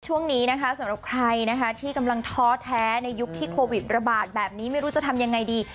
ช่วงนี้นะคะสำหรับใครนะคะที่กำลังท้อแท้ในยุคที่โควิดระบาดแบบนี้ไม่รู้จะทำยังไงดี